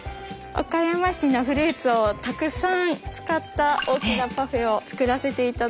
岡山市のフルーツをたくさん使った大きなパフェを作らせて頂きました。